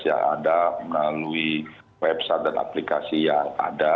yang ada melalui website dan aplikasi yang ada